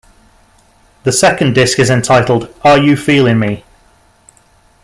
The second disc is entitled Are You Feelin' Me?